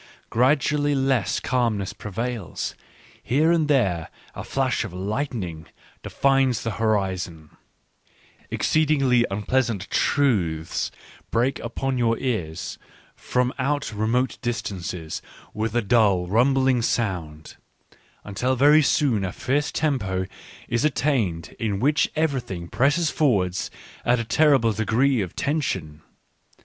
Gradually les s calmness preva ils ; here and there a flash of lig ht ning defines the horizon ; exceedingly unpleasant truths break upon your ears from out remote dis tances with a dull, rumbling sound, — until very soon a fierce tempo is attained in which everything presses forward at a terrible degre e of tension.